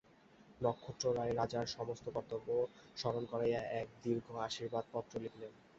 নক্ষত্ররায়কে রাজার সমস্ত কর্তব্য স্মরণ করাইয়া এক দীর্ঘ আশীর্বাদ-পত্র লিখিলেন।